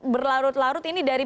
berlarut larut ini dari